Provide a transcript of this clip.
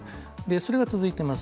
それは続いています。